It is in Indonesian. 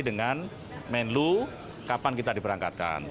dengan menlu kapan kita diberangkatkan